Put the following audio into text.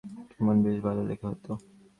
কেমন, বেশ ভালো লেখা হয় তো?